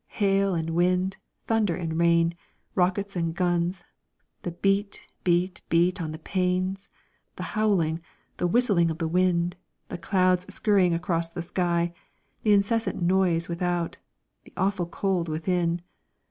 Hail and wind, thunder and rain, rockets and guns, the beat, beat, beat on the panes, the howling, the whistling of the wind, the clouds scurrying across the sky, the incessant noise without, the awful cold within.